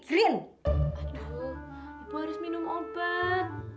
rin aduh ibu harus minum obat